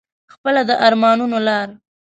خپله د ارمانونو لار